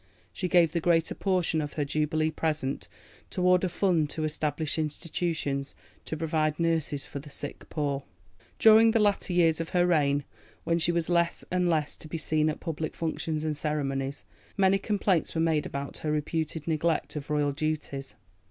She gave the greater portion of her Jubilee present toward a fund to establish institutions to provide nurses for the sick poor. During the latter years of her reign, when she was less and less to be seen at public functions and ceremonies, many complaints were made about her reputed neglect of royal duties.